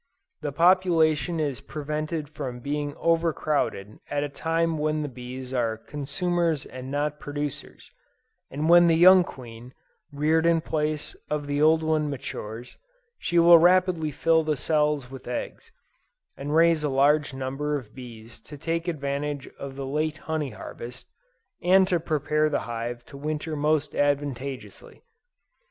The population is prevented from being over crowded at a time when the bees are consumers and not producers, and when the young queen, reared in the place of the old one matures, she will rapidly fill the cells with eggs, and raise a large number of bees to take advantage of the late honey harvest, and to prepare the hive to winter most advantageously.